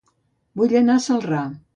Vull anar a Celrà